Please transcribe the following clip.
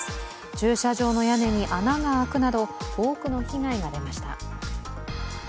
駐車場の屋根に穴が開くなど、多くの被害が出ました。